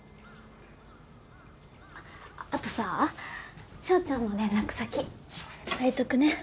あっあとさ翔ちゃんの連絡先伝えとくね。